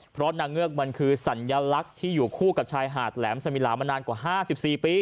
เพราะนางเงือกมันคือสัญลักษณ์ที่อยู่คู่กับชายหาดแหลมสมิลามานานกว่า๕๔ปี